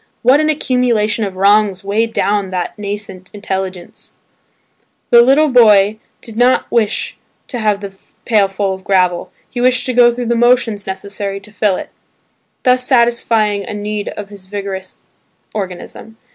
What an accumulation of wrongs weighed down that nascent intelligence ! The little boy did not wish to have the pail full of gravel; he wished to go through the motions necessary to fill it, thus satisfying a need of his vigorous organism.